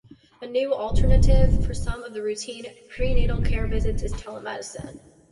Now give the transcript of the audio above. A new alternative for some of the routine prenatal care visits is Telemedicine.